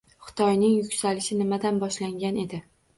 Xitoyning yuksalishi nimadan boshlangan edi?